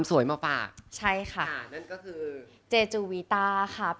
สวัสดีค่ะ